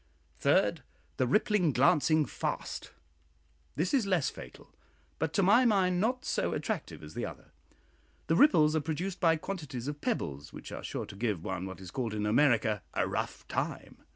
Third, "The rippling glancing fast." This is less fatal, but to my mind not so attractive as the other. The ripples are produced by quantities of pebbles, which are sure to give one what is called in America "a rough time."